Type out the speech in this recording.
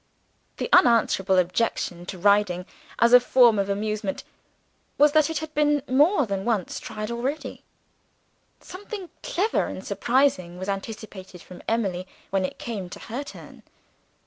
The unanswerable objection to riding as a form of amusement, was that it had been more than once tried already. Something clever and surprising was anticipated from Emily when it came to her turn.